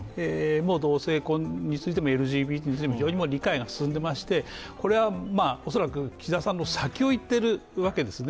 同性婚についてもＬＧＢＴについても理解が進んでいまして恐らく岸田さんの先をいっているわけですね。